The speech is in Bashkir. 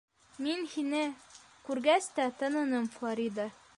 Мин һине... күргәс тә таныным, Флорида.